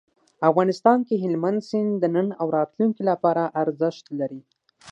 افغانستان کې هلمند سیند د نن او راتلونکي لپاره ارزښت لري.